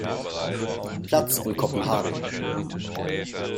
Platz in Kopenhagen.